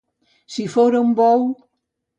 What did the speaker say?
Si fora un bou!